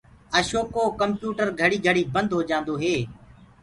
اشوڪو ڪمپيوٽر گھڙي گھڙي بنٚد هوجآنٚدو هي